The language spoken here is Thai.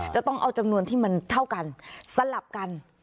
จะต้องเอาจำนวนที่มันเท่ากันสลับกัน